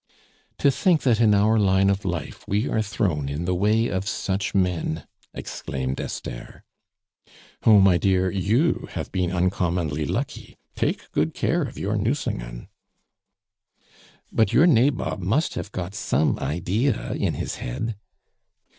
"To think that in our line of life we are thrown in the way of such men!" exclaimed Esther. "Oh, my dear, you have been uncommonly lucky. Take good care of your Nucingen." "But your nabob must have got some idea in his head."